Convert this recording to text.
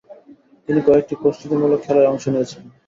তিনি কয়েকটি প্রস্তুতিমূলক খেলায় অংশ নিয়েছিলেন।